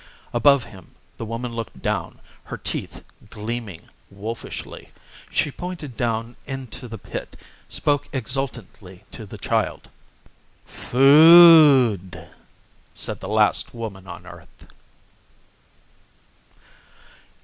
Above him the woman looked down, her teeth gleaming wolfishly. She pointed down into the pit; spoke exultantly to the child. "Food!" said the last woman on earth.